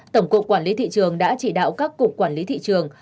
tổng cục quản lý thị trường đã chỉ đạo các cục quản lý thị trường